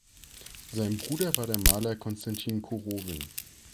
Sein Bruder war der Maler Konstantin Korowin.